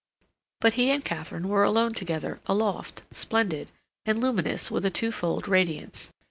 But he and Katharine were alone together, aloft, splendid, and luminous with a twofold radiance.